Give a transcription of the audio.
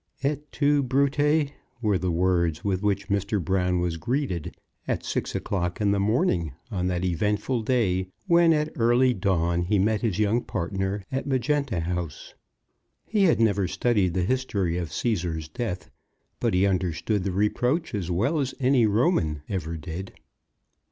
"Et tu, Brute?" were the words with which Mr. Brown was greeted at six o'clock in the morning on that eventful day, when, at early dawn, he met his young partner at Magenta House. He had never studied the history of Cæsar's death, but he understood the reproach as well as any Roman ever did.